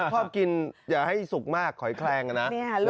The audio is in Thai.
ชอบกินอย่าให้สุกมากหอยแคลงนะ